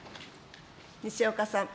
西岡さん。